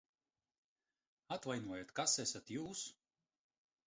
Atvainojiet, kas esat jūs?